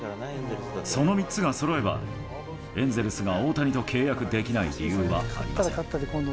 その３つがそろえば、エンゼルスが大谷と契約できない理由はありません。